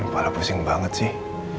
kepala pusing banget sih